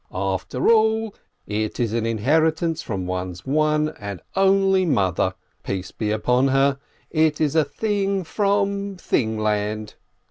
"After all, it is an inheritance from one's one and only mother (peace be upon her!), it is a thing from Thingland!